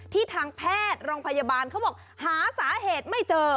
ทางแพทย์โรงพยาบาลเขาบอกหาสาเหตุไม่เจอ